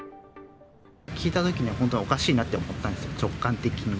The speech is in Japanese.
聞いたときには、本当、おかしいなって思ったんですよ、直感的に。